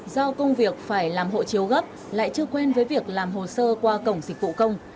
do công việc phải làm hộ chiếu gấp lại chưa quen với việc làm hồ sơ qua cổng dịch vụ công